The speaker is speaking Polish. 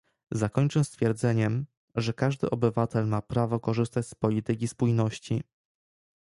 Zakończę stwierdzeniem, że każdy obywatel ma prawo korzystać z polityki spójności